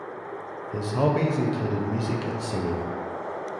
His hobbies included music and singing.